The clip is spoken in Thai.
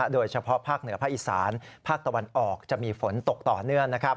โดยเฉพาะภาคเหนือภาคอีสานภาคตะวันออกจะมีฝนตกต่อเนื่อง